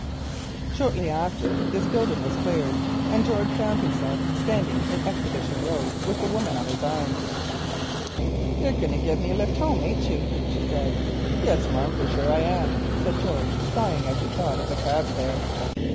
Shortly after this the building was cleared, and George found himself standing in Exhibition Road with the woman on his arm. "You're going to give me a lift home, ain't you?" she said. "Yes, marm, for sure I am," said George, sighing as he thought of the cab fare.